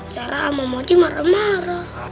cara sama mochi marah marah